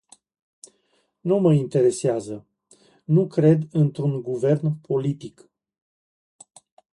Nu mă interesează, nu cred într-un guvern politic.